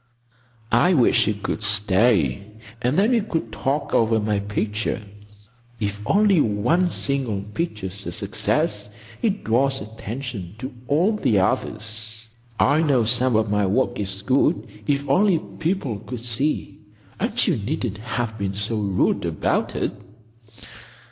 "I wish you could stay, and then we could talk over my picture. If only one single picture's a success, it draws attention to all the others. I know some of my work is good, if only people could see. And you needn't have been so rude about it."